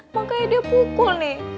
makanya dia pukul nih